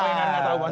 oh yang gak tahu bang